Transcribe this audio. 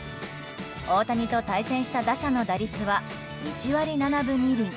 大谷と対戦した打者の打率は１割７分２厘。